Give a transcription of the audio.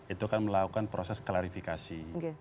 itu kan melakukan proses klarifikasi